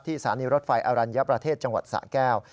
สถานีรถไฟอรัญญประเทศจังหวัดสะแก้ว